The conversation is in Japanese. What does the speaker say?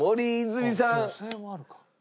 あっ女性もあるか。